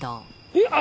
えっ？